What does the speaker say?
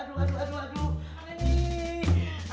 aduh aduh aduh aduh